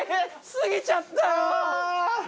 過ぎちゃった。